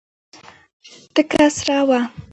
تکه سره وه.